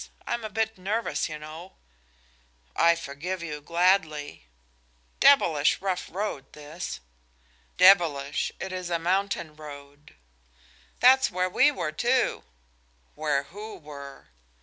I'm a bit nervous, you know." "I forgive you gladly." "Devilish rough road, this." "Devilish. It is a mountain road." "That's where we were, too." "Where who were?"